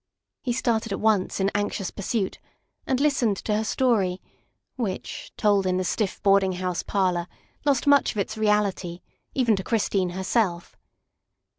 He started at once in anxious pursuit and listened to her story, which, told in the stiff boarding house parlor, lost much of its reality, even to Christine herself.